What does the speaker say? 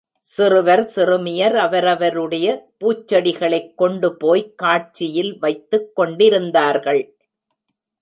சிறுவர் சிறுமியர் அவரவருடைய பூச்செடிகளைக் கொண்டுபோய்க் காட்சியில் வைத்துக் கொண்டிருந்தார்கள்.